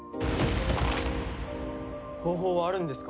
方法はあるんですか？